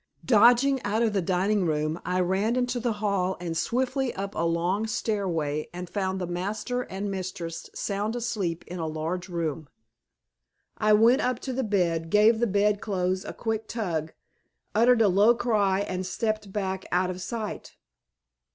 Dodging out of the dining room, I ran into the hall and swiftly up a long stairway and found the master And mistress sound asleep in a large room. I went up to the bed, gave the Bed clothes a quick tug, uttered a low cry and stepped back out of sight.